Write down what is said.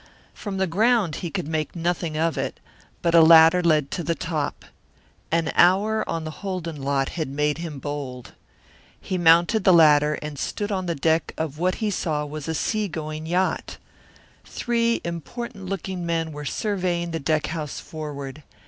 From the ground he could make nothing of it, but a ladder led to the top. An hour on the Holden lot had made him bold. He mounted the ladder and stood on the deck of what he saw was a sea going yacht. Three important looking men were surveying the deckhouse forward.